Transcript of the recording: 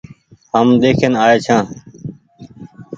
هم ۮيکين آئي ڇآن ۔